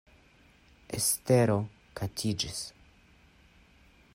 Estero katiĝis.